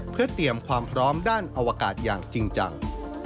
เพื่อเตรียมความพร้อมด้านอวกาศอย่างจริงจัง